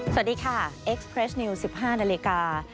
สวัสดีค่ะเอ็กซ์เพรสนิวสิบห้านาลีกา